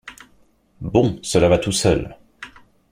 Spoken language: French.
Bon, cela va tout seul!